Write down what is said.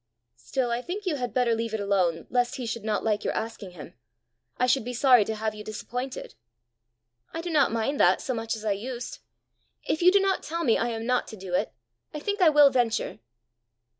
"Still I think you had better leave it alone lest he should not like your asking him. I should be sorry to have you disappointed." "I do not mind that so much as I used. If you do not tell me I am not to do it, I think I will venture."